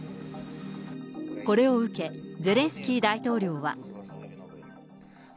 これを受け、ゼレンスキー大統領は。